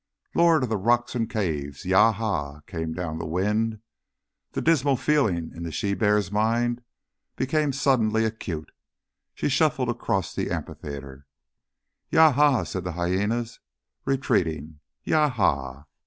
"Lord of the rocks and caves ya ha!" came down the wind. The dismal feeling in the she bear's mind became suddenly acute. She shuffled across the amphitheatre. "Ya ha!" said the hyænas, retreating. "Ya ha!"